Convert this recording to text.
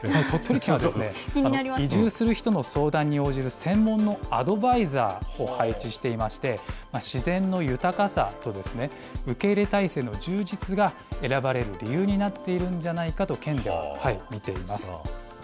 鳥取県は移住する人の相談に応じる専門のアドバイザー、配置していまして、自然の豊かさと受け入れ態勢の充実が選ばれる理由になっているんじゃないかと県では見ています。